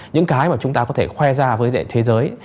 những cái mà chúng ta có thể khoe ra với thế giới